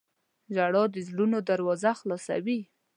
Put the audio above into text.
• ژړا د زړونو دروازه خلاصوي.